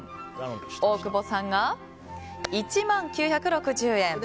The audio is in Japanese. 大久保さんが１万９６０円。